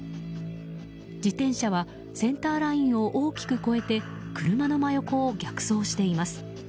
自転車はセンターラインを大きく越えて車の真横を逆走しています。